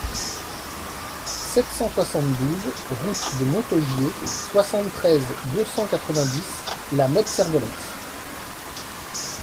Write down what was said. sept cent soixante-douze route de Montaugier, soixante-treize, deux cent quatre-vingt-dix, La Motte-Servolex